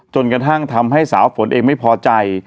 จนกระทั่งทำให้สาวฝนเองไม่พอใจ